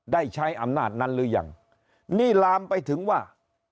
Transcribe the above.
ได้ใช้อำนาจนั้นหรือยังนี่ลามไปถึงว่า